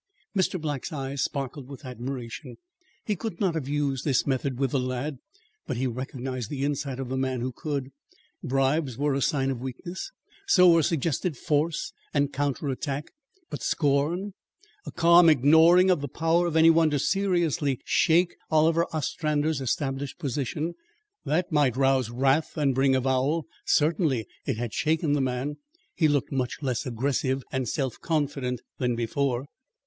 Mr. Black's eyes sparkled with admiration. He could not have used this method with the lad, but he recognised the insight of the man who could. Bribes were a sign of weakness, so were suggested force and counter attack; but scorn a calm ignoring of the power of any one to seriously shake Oliver Ostrander's established position that might rouse wrath and bring avowal; certainly it had shaken the man; he looked much less aggressive and self confident than before.